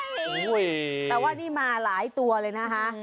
แต่ว่านี่มาหลายตัวเลยนะฮะ